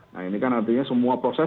nah ini kan artinya semua proses